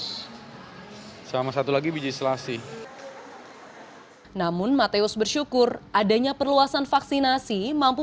hai sama satu lagi biji selasi namun mateus bersyukur adanya perluasan vaksinasi mampu